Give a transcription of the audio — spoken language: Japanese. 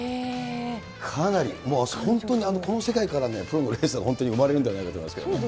かなり、もう本当にこの世界からプロのレーサーが本当に生まれるんではなそうですね。